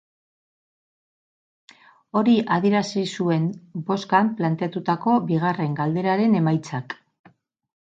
Hori adierazi zuen bozkan planteatutako bigarren galderaren emaitzak.